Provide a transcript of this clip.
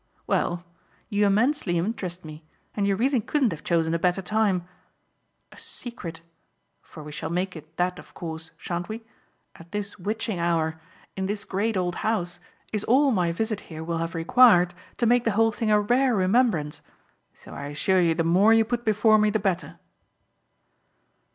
"Well, you immensely interest me and you really couldn't have chosen a better time. A secret for we shall make it that of course, shan't we? at this witching hour, in this great old house, is all my visit here will have required to make the whole thing a rare remembrance. So I assure you the more you put before me the better."